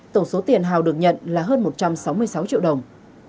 tổng số tiền hào được nhận là hơn một trăm sáu mươi sáu triệu đồng